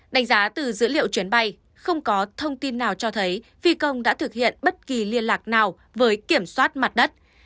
đánh giá từ dữ liệu chuyến bay không có thông tin nào cho thấy phi công đã thực hiện bất kỳ liên lạc nào với kiểm soát mặt đất